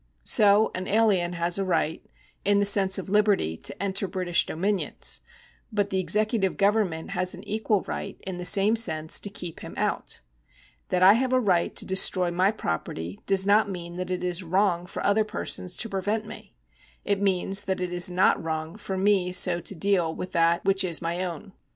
So an alien has a right, in the sense of liberty, to enter British dominions, but the executive 192 LEGAL RIGHTS [§ 75 governraonl has an oquul riglit, in the same sense, to keej) him out. ' That I have a right to destroy my property does not mean that it is wrong for other persons to prevent me ; it means that it is not wrong for me so to deal with that which is my own.